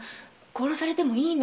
殺されてもいいの？